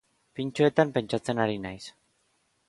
Pintxoetan pentsatzen ari naiz.